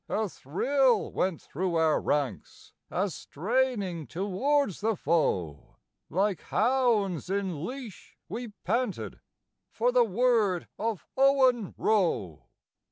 a thrill went through our ranks, as straining towards the foe, Like hounds in leash we panted for the word of Owen Roe.